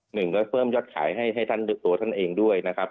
หนึ่งก็เพิ่มยอดขายให้ท่านตัวท่านเองด้วยนะครับ